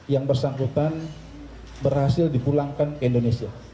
yang bersangkutan berhasil di pulangkan ke indonesia